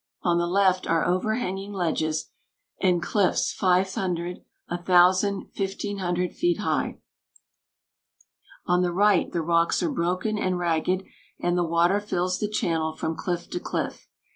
On the left are overhanging ledges and cliffs five hundred, a thousand, fifteen hundred feet high. "On the right the rocks are broken and ragged, and the water fills the channel from cliff to cliff.